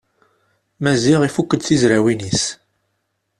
Maziɣ ifukk-d tizrawin-is.